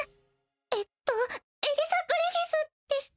えっとエリサ＝グリフィスでした